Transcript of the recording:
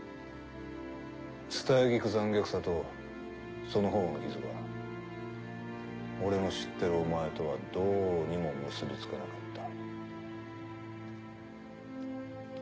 伝え聞く残虐さとその頬の傷が俺の知ってるお前とはどうにも結びつかなかった。